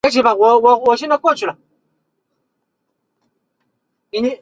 苯基三甲基氟化铵是一种季铵盐。